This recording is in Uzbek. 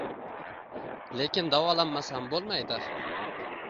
Lekin davolanmasam bo`lmaydi